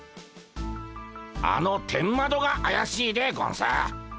あの天窓があやしいでゴンス。